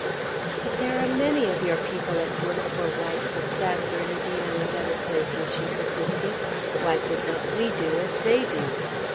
"But there are many of your people at work for whites at San Bernardino and other places," she persisted. "Why could not we do as they do?"